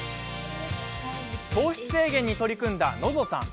糖質制限に取り組んだ、のぞさん。